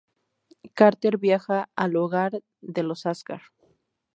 Carter viaje al hogar de los Asgard.